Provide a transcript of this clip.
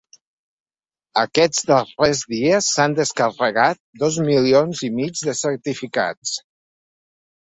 Aquests darrers dies s’han descarregat dos milions i mig de certificats.